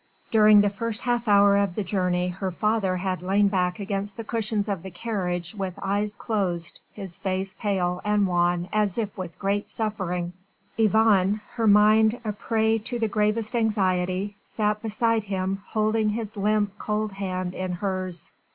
During the first half hour of the journey her father had lain back against the cushions of the carriage with eyes closed, his face pale and wan as if with great suffering. Yvonne, her mind a prey to the gravest anxiety, sat beside him, holding his limp cold hand in hers.